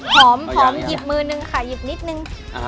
หอมหยิบมือนึงค่ะหยิบนิดนึง